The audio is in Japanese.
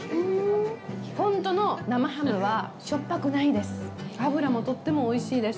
本当の生ハムはしょっぱくないです。